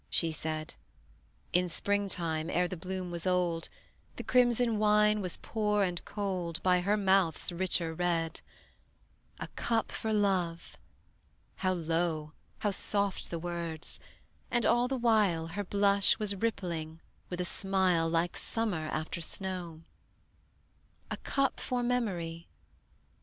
she said, In springtime ere the bloom was old: The crimson wine was poor and cold By her mouth's richer red. "A cup for love!" how low, How soft the words; and all the while Her blush was rippling with a smile Like summer after snow. "A cup for memory!"